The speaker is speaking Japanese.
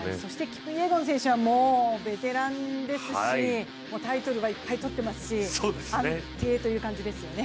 キプイエゴン選手はもうベテランですしタイトルはいっぱい取ってますし安定という感じですよね。